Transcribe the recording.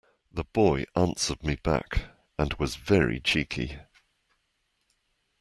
The boy answered me back, and was very cheeky